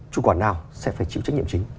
chủ quản nào sẽ phải chịu trách nhiệm chính